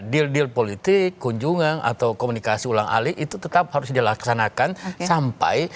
deal deal politik kunjungan atau komunikasi ulang alih itu tetap harus dilaksanakan sampai